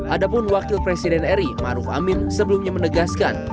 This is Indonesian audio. ada pun wakil presiden ri maruf amin sebelumnya menegaskan